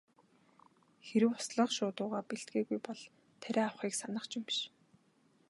Хэрэв услах шуудуугаа бэлтгээгүй бол тариа авахыг санах ч юм биш.